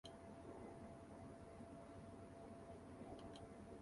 Her sense of beauty developed early.